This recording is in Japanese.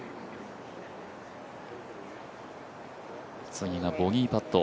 次がボギーパット。